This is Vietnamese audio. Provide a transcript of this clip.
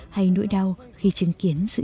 hay nỗi đau khi chứng kiến sự hiểu